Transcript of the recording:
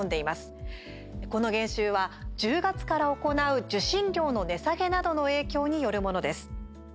この減収は、１０月から行う受信料の値下げなどの影響によるものです。